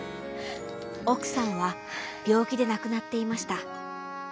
おくさんはびょうきでなくなっていました。